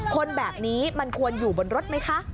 คนแบบนี้มันควรอยู่บนรถไหมคะ